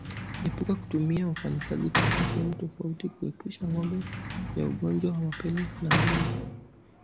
Epuka kutumia wafanyakazi kutoka sehemu tofauti kuepusha ngombe na ugonjwa wa mapele ya ngozi